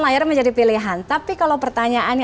layar menjadi pilihan tapi kalau pertanyaannya